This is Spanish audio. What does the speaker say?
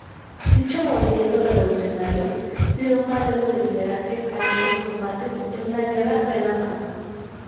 Dicho movimiento revolucionario triunfa luego de librarse algunos combates en una guerra relámpago.